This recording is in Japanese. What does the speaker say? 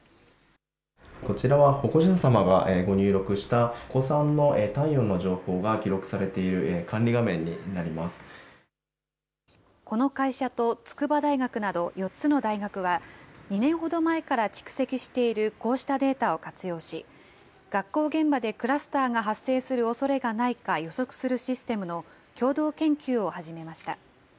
こちらは保護者様がご入力したお子さんの体温の情報が記録さこの会社と筑波大学など４つの大学は、２年ほど前から蓄積しているこうしたデータを活用し、学校現場でクラスターが発生するおそれがないか予測するシステムの共同研究を始めました。